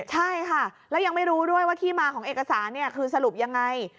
ใช่ค่ะแล้วยังไม่รู้ด้วยว่าที่มาของเอกสารคือสรุปยังไง